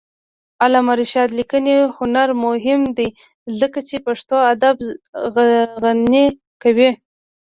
د علامه رشاد لیکنی هنر مهم دی ځکه چې پښتو ادب غني کوي.